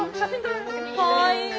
かわいい。